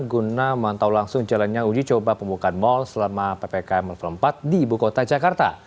guna mantau langsung jalannya uji coba pembukaan mal selama ppkm level empat di ibu kota jakarta